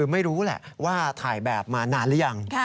ไม่รู้แหละว่าถ่ายแบบมานานหรือยัง